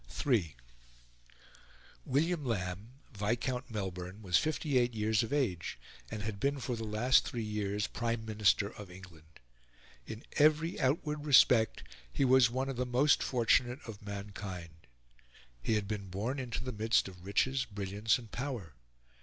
III William Lamb, Viscount Melbourne, was fifty eight years of age, and had been for the last three years Prime Minister of England. In every outward respect he was one of the most fortunate of mankind. He had been born into the midst of riches, brilliance, and power.